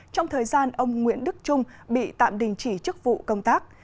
trong thời gian ông nguyễn đức trung bị tạm đình chỉ chức vụ công tác